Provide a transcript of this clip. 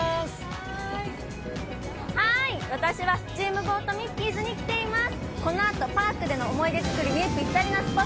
私はスチームボート・ミッキーズに来ています。